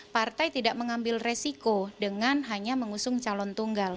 partai tidak mengambil resiko dengan hanya mengusung calon tunggal